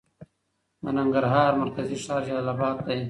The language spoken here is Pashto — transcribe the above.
د ننګرهار مرکزي ښار جلالآباد دی.